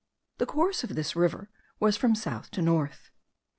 The course of this river was from south to north.